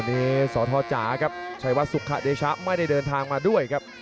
วันนี้สทจ๋าครับชัยวัดสุขะเดชะไม่ได้เดินทางมาด้วยครับ